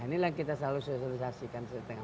ini yang kita selalu sosialisasikan